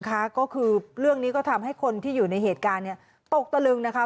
ก็คือเรื่องนี้ก็ทำให้คนที่อยู่ในเหตุการณ์เนี่ยตกตะลึงนะคะ